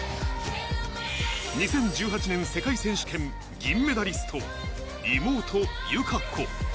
２０１８年世界選手権銀メダリスト、妹、友香子。